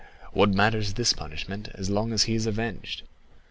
What matters this punishment, as long as he is avenged?